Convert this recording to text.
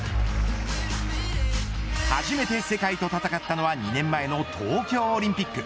初めて世界と戦ったのは２年前の東京オリンピック。